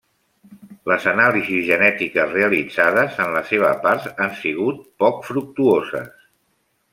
Les anàlisis genètiques realitzades, en la seva part, han sigut poc fructuoses.